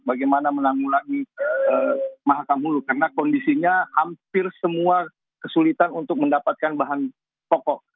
bagaimana menanggulangi mahakam mulu karena kondisinya hampir semua kesulitan untuk mendapatkan bahan pokok